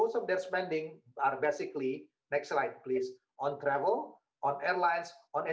pertanyaan terakhir adalah pak alex maaf saya tidak bisa berbicara